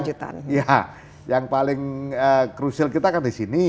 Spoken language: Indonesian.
ya yang paling krusial kita kan di sini